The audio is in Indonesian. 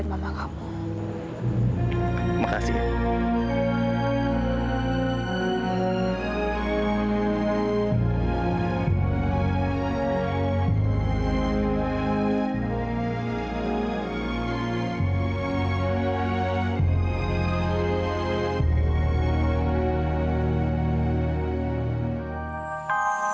terima kasih kalian kerana menjaga ini